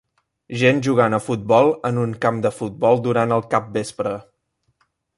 Gent jugant a futbol en un camp de futbol durant el capvespre.